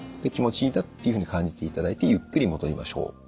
「気持ちいいんだ」っていうふうに感じていただいてゆっくり戻りましょう。